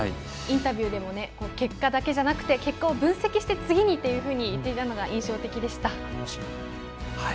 インタビューでも結果だけじゃなくて結果を分析して次にと言っていたのが印象的でした。